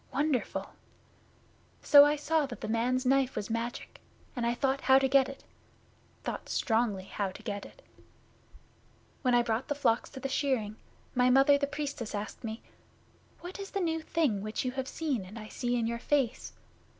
Wonderful! So I saw that the man's knife was magic, and I thought how to get it, thought strongly how to get it. 'When I brought the flocks to the shearing, my Mother the Priestess asked me, "What is the new thing which you have seen and I see in your face?"